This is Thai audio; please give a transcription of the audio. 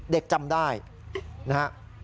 เด็กจำได้นะครับ